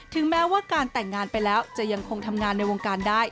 แม้ว่าการแต่งงานไปแล้วจะยังคงทำงานในวงการได้